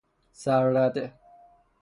سررده